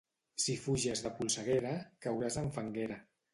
Si fuges de polseguera, cauràs en fanguera.